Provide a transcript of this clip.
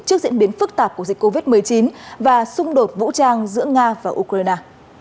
trước diễn biến phức tạp của dịch covid một mươi chín và xung đột vũ trang giữa nga và ukraine